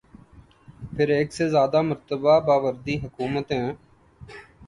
پھر ایک سے زیادہ مرتبہ باوردی حکومتیں۔